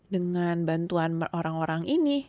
dengan bantuan orang orang ini